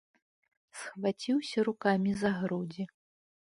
Схваціўся рукамі за грудзі.